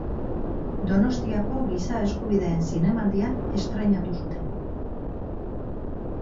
Donostiako Giza Eskubideen Zinemaldian estreinatu zuten.